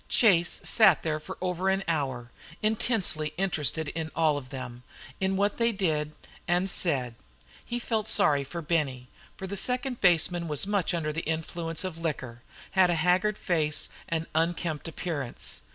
Chase sat there for over an hour, intensely interested in all of them, in what they said and did. He felt sorry for Benny, for the second baseman was much under the influence of liquor, had a haggard face and unkempt appearance.